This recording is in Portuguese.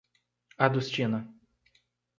Adustina